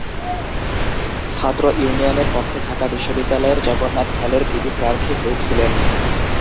ছাত্র ইউনিয়নের পক্ষে ঢাকা বিশ্ববিদ্যালয়ের জগন্নাথ হলের ভিপি প্রার্থী হয়েছিলেন।